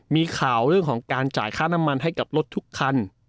มีข่าวเรื่องของการจ่ายค่าน้ำมันให้กับรถทุกคัน